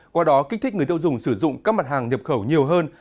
qua đó kích thích người tiêu dùng sử dụng các mặt hàng nhập khẩu nhiều hơn